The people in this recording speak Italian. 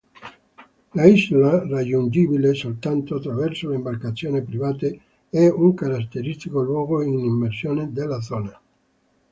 L'isola, raggiungibile soltanto attraverso imbarcazioni private, è un caratteristico luogo di immersione della zona.